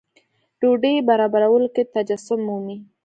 ډوډۍ برابرولو کې تجسم مومي.